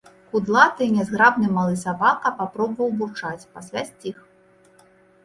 Кудлаты і нязграбны малы сабака папробаваў бурчаць, пасля сціх.